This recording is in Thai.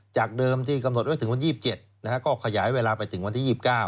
จากเดิมที่กำหนดไว้ถึงวัน๒๗ก็ขยายเวลาไปถึงวันที่๒๙